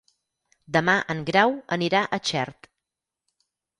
Demà en Grau anirà a Xert.